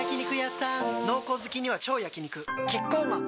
濃厚好きには超焼肉キッコーマン